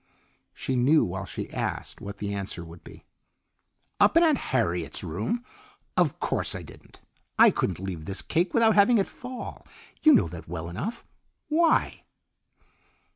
She knew while she asked what the answer would be. "Up in Aunt Harriet's room? Of course I didn't. I couldn't leave this cake without having it fall. You know that well enough. Why?"